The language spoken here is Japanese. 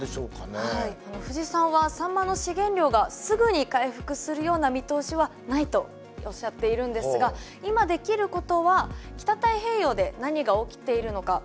冨士さんはサンマの資源量がすぐに回復するような見通しはないとおっしゃっているんですが今できることは北太平洋で何が起きているのかまだ謎が多いんですね。